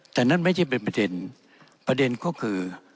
แต่นั่นไม่ใช่เป็นประเด็นประเด็นก็คือ